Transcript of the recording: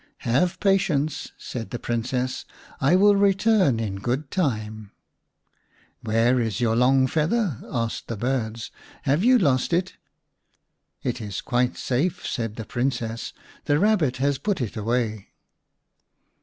" Have patience," said the Princess. " I will return in good time." "Where is your long feather?" asked the birds. " Have you lost it ?" 46 v The Rabbit Prince "It is quite safe," said the Princess ;" the Kabbit has put it away."